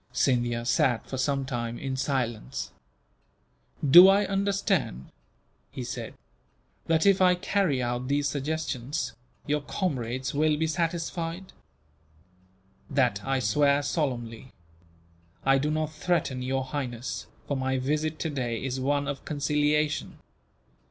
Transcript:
Scindia sat for some time, in silence. "Do I understand," he said, "that if I carry out these suggestions, your comrades will be satisfied?" "That I swear solemnly. I do not threaten Your Highness, for my visit today is one of conciliation.